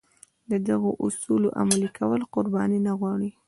د دغو اصولو عملي کول قرباني نه غواړي.